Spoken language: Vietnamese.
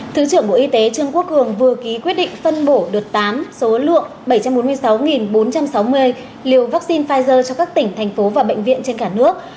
thứ trưởng bộ y tế trương quốc cường vừa ký quyết định phân bổ đợt tám số lượng bảy trăm bốn mươi sáu bốn trăm sáu mươi liều vaccine pfizer cho các tỉnh thành phố và bệnh viện trên cả nước